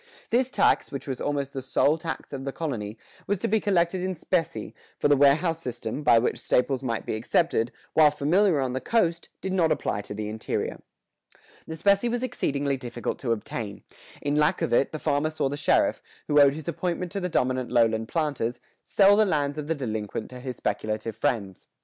[118:2] This tax, which was almost the sole tax of the colony, was to be collected in specie, for the warehouse system, by which staples might be accepted, while familiar on the coast, did not apply to the interior. The specie was exceedingly difficult to obtain; in lack of it, the farmer saw the sheriff, who owed his appointment to the dominant lowland planters, sell the lands of the delinquent to his speculative friends.